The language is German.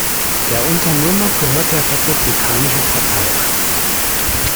Der Unternehmer gehört der Republikanischen Partei an.